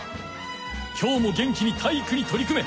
今日も元気に体育にとり組め！